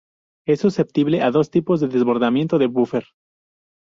Es susceptible a dos tipos de desbordamiento de buffer.